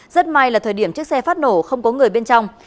rất may là thời điểm chiếc xe phát nổ không có người bên trong